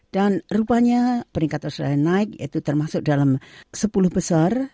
dan rupanya peringkat australia naik itu termasuk dalam sepuluh besar